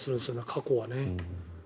過去はね。